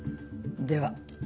では。